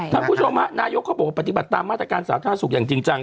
ท่านผู้ชมฮะนายกเขาบอกว่าปฏิบัติตามมาตรการสาธารณสุขอย่างจริงจัง